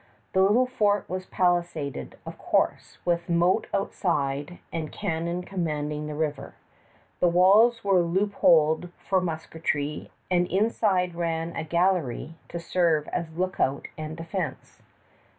The little fort was palisaded, of course, with a moat outside and cannon commanding the river. The walls were loopholed for musketry; and inside ran a gallery to serve as lookout and defense.